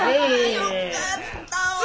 よかったわ。